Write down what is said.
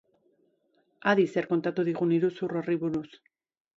Adi zer kontatu digun iruzur horri buruz.